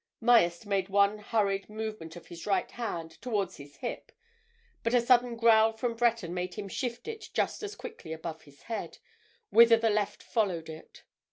Myerst made one hurried movement of his right hand towards his hip, but a sudden growl from Breton made him shift it just as quickly above his head, whither the left followed it.